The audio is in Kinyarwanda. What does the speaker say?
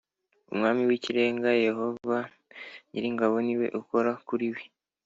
Umwami w Ikirenga Yehova nyir ingabo ni we ukora kuriwe